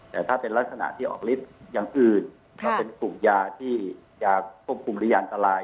แต่ถ้าเป็นลักษณะที่ออกฤทธิ์อย่างอื่นก็เป็นกลุ่มยาที่ยาควบคุมหรือยังอันตราย